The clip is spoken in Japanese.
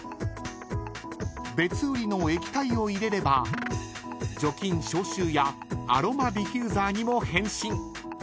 ［別売りの液体を入れれば除菌消臭やアロマディフューザーにも変身］